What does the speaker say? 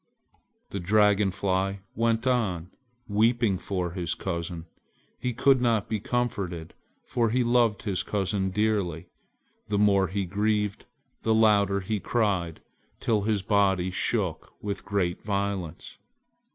The Dragon Fly went on, weeping for his cousin. He would not be comforted, for he loved his cousin dearly. The more he grieved, the louder he cried, till his body shook with great violence.